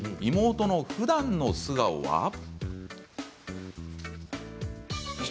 妹のふだんの素顔は？